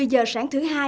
một mươi h sáng thứ hai